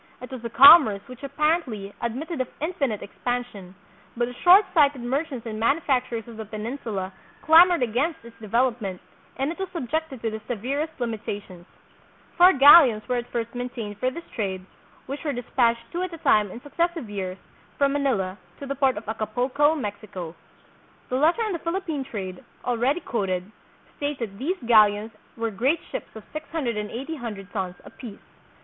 It was a commerce which apparently ad mitted of infinite expansion, but the shortsighted mer chants and manufacturers of the Peninsula clamored against its development, and it was subjected to the severest limitations. Four galleons were at first maiii 1 Sucesos de las Filipinos, p. 352. THREE HUNDRED YEARS AGO. 175 tained for this trade, which were dispatched two at a time in successive years from Manila to the port of Aca pulco, Mexico. The letter on the Philippine trade, already quoted, states that these galleons were great ships of six hundred and eight hundred tons apiece.